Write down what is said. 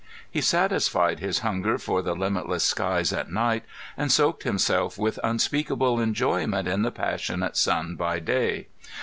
He satisfied his hunger for the limitless skies at night, and soaked himself with unspeakable enjoyment in the passionate sun by day.